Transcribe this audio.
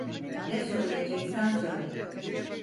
Ne söyleyeceksen söyle.